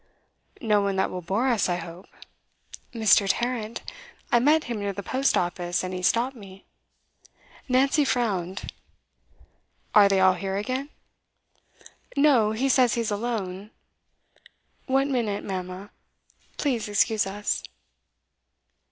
'No one that will bore us, I hope.' 'Mr. Tarrant. I met him near the post office, and he stopped me.' Nancy frowned. 'Are they all here again?' 'No; he says he's alone. One minute, mamma; please excuse us.